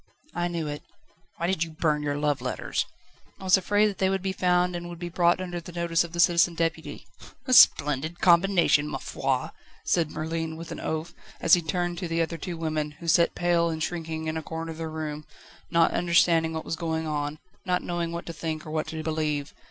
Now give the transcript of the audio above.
"I knew it." "Why did you burn your love letters?" "I was afraid that they would be found, and would be brought under the notice of the Citizen Deputy." "A splendid combination, ma foi!" said Merlin, with an oath, as he turned to the two other women, who sat pale and shrinking in a corner of the room, not understanding what was going on, not knowing what to think or what to believe.